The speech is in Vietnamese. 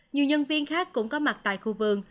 nhiều nhân viên khác cũng có mặt tại khu vườn